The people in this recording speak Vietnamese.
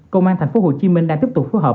công an tp hcm đang tiếp tục phối hợp